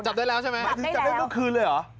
จับได้แล้วใช่ไหมหมายถึงจับได้เมื่อคืนเลยเหรอ